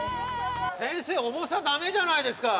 先生重さダメじゃないですか！